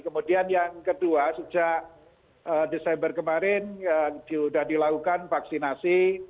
kemudian yang kedua sejak desember kemarin sudah dilakukan vaksinasi